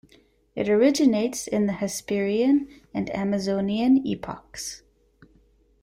It originates in the Hesperian and Amazonian epochs.